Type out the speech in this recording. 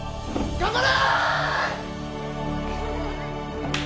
頑張れ！